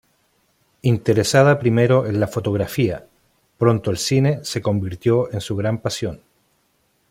Interesada primero en la fotografía, pronto el cine se convirtió en su gran pasión.